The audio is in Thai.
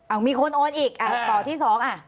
อ้างมีคนโอนอีกอ้างต่อที่๒อ้าง